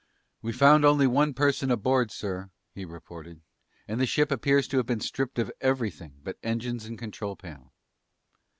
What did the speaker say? "We found only one person aboard, sir," he reported. "And the ship appears to have been stripped of everything but engines and control panel."